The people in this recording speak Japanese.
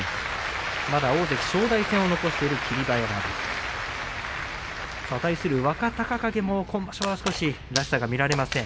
まだ大関正代戦を残している霧馬山。対する若隆景も今場所らしさが見られません。